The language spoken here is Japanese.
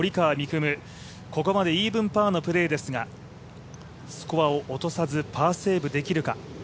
夢、ここまでイーブンパーのプレーですがスコアを落とさずパーセーブできるか。